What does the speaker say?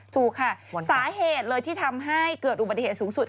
ถูกค่ะสาเหตุเลยที่ทำให้เกิดอุบัติเหตุสูงสุด